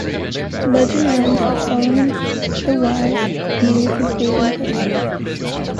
Legend runs that Solomon the Wise made his bathing-place here.